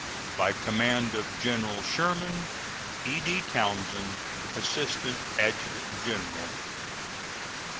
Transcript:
By command of General Sherman: E.D. TOWNSEND, Assistant Adjutant General.